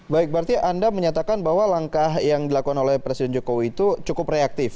baik berarti anda menyatakan bahwa langkah yang dilakukan oleh presiden jokowi itu cukup reaktif